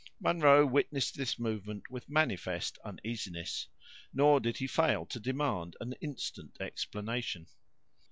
Munro witnessed this movement with manifest uneasiness; nor did he fail to demand an instant explanation.